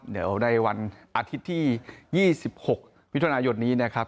เดี๋ยวในวันอาทิตย์ที่๒๖มิถุนายนนี้นะครับ